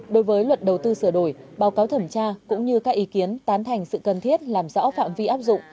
đối với luật đầu tư sửa đổi báo cáo thẩm tra cũng như các ý kiến tán thành sự cần thiết làm rõ phạm vi áp dụng